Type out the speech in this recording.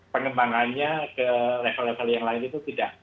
pengembangannya ke level level yang lain itu tidak